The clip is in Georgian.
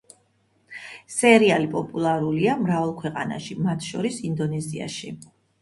სერიალი პოპულარულია მრავალ ქვეყანაში, მათ შორის ინდონეზიაში.